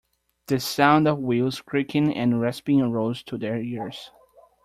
The sound of wheels creaking and rasping rose to their ears.